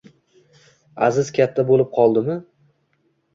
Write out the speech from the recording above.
Aziz katta bo`lib qoldimi